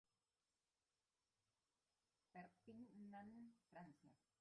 Perpignan, Francia.